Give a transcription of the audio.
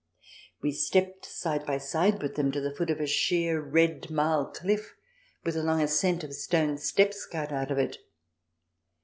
We stepped side by side with them to the foot of a sheer red marl cliff with a long ascent of stone steps cut out of it.